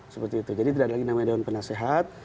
seperti itu jadi tidak ada lagi namanya dewan penasehat